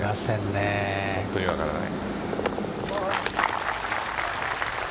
本当に分からない。